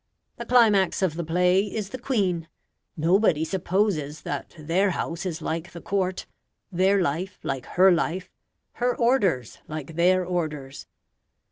The climax of the play is the Queen: nobody supposes that their house is like the court; their life like her life; her orders like their orders.